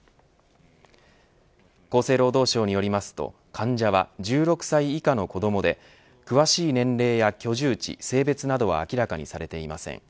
厚生労働省によりますと患者は１６歳以下の子どもで詳しい年齢や居住地性別などは明らかにされていません。